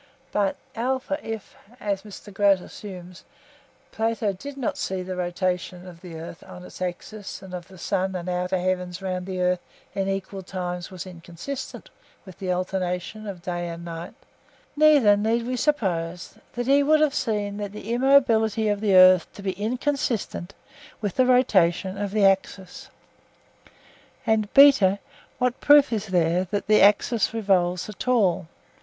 But (a) if, as Mr Grote assumes, Plato did not see that the rotation of the earth on its axis and of the sun and outer heavens around the earth in equal times was inconsistent with the alternation of day and night, neither need we suppose that he would have seen the immobility of the earth to be inconsistent with the rotation of the axis. And (b) what proof is there that the axis of the world revolves at all?